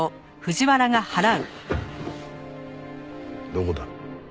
どこだ？